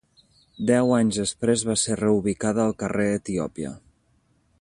Deu anys després va ser reubicada al Carrer Etiòpia.